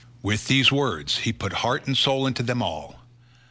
With these words he put heart and soul into them all.